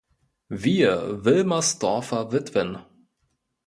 Wir Wilmersdorfer Witwen!